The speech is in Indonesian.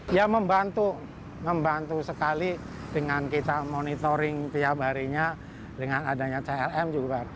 ya membantu membantu sekali dengan kita monitoring tiap harinya dengan adanya clm juga